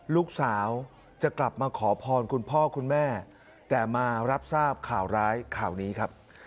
ลูกสาวจะกลับมาขอพรคุณพ่อคุณแม่แต่มารับทราบข่าวร้ายข่าวนี้ครับ